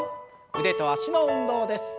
腕と脚の運動です。